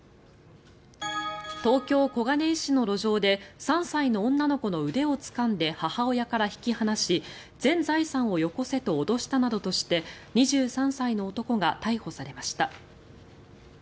東京・小金井市の路上で３歳の女の子の腕をつかんで母親から引き離し全財産をよこせと脅したなどとして２３歳の男が逮捕されました。